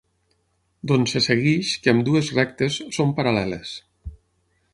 D'on se segueix que ambdues rectes són paral·leles.